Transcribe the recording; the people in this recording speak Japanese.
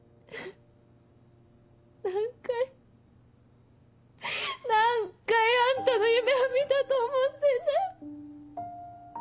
何回何回あんたの夢を見たと思ってんだよ。